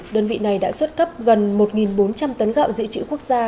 đơn vị này đã xuất cấp gần một bốn trăm linh tấn gạo dự trữ quốc gia